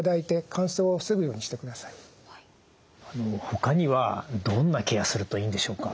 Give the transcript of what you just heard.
ほかにはどんなケアするといいんでしょうか？